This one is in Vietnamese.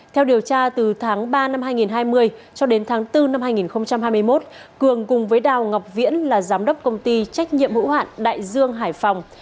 theo điều tra từ tháng ba năm hai nghìn hai mươi cho đến tháng bốn năm hai nghìn hai mươi một cường cùng với đào ngọc viễn là giám đốc công ty trách nhiệm hữu hạn đại dương hải phòng